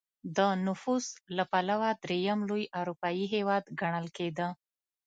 د نفوس له پلوه درېیم لوی اروپايي هېواد ګڼل کېده.